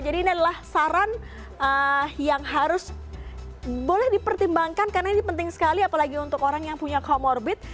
jadi ini adalah saran yang harus boleh dipertimbangkan karena ini penting sekali apalagi untuk orang yang punya comorbid atau penyakit bawaan